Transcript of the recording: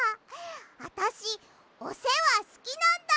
あたしおせわすきなんだ！